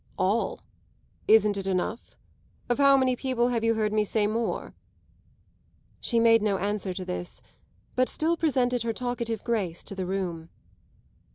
"All? Isn't it enough? Of how many people have you heard me say more?" She made no answer to this, but still presented her talkative grace to the room.